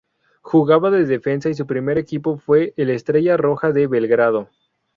Jugaba de defensa y su primer equipo fue el Estrella Roja de Belgrado.